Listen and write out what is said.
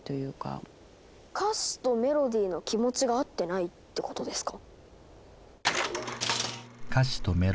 歌詞とメロディーの気持ちが合ってないってことですか？